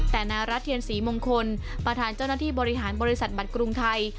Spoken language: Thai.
แต่นายรัฐเทียนศรีมงคลประธานเจ้าหน้าที่บริหารบริษัทบัตรกรุงไทย